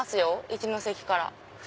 一ノ関から。